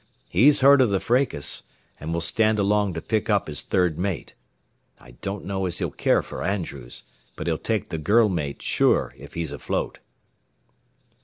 He's heard o' the fracas, an' will stand along to pick up his third mate. I don't know as he'll care for Andrews, but he'll take the girl mate sure if he's afloat."